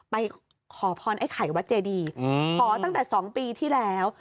ไปขอพรไอ้ไข่วัดเจดีขอตั้งแต่๒ปีที่แล้ว